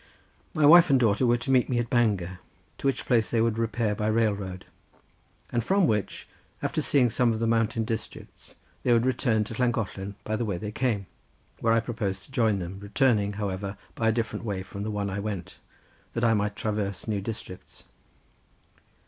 My wife and daughter were to meet me at Bangor, to which place they would repair by the railroad, and from which, after seeing some of the mountain districts, they would return to Llangollen by the way they came, where I proposed to rejoin them, returning, however, by a different way from the one I went, that I might traverse new districts.